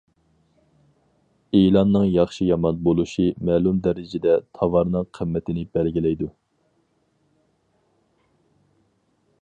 ئېلاننىڭ ياخشى- يامان بولۇشى مەلۇم دەرىجىدە تاۋارنىڭ قىممىتىنى بەلگىلەيدۇ.